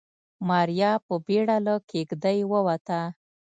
ماريا په بيړه له کېږدۍ ووته.